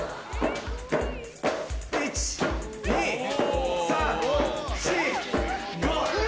１、２、３、４、５。